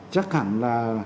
chắc hẳn là